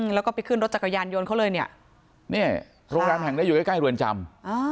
แล้วก็ไปขึ้นรถจักรยานยนต์เขาเลยเนี่ยโรงแรมแห่งนี้อยู่ใกล้เรือนจำ